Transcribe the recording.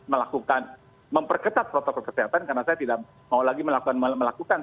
melakukan memperketat protokol kesehatan karena saya tidak mau lagi melakukan